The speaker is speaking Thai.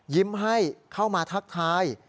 ยิ้มให้เข้ามาทักทาย